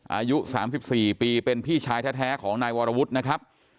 อายุสามสิบสี่ปีเป็นพี่ชายแท้แท้ของนายวรวุฒินะครับ